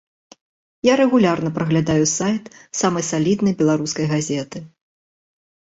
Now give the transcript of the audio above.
Я рэгулярна праглядаю сайт самай саліднай беларускай газеты.